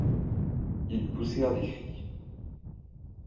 Ils poussèrent des cris.